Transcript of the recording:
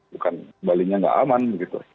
bukan bali nya nggak aman gitu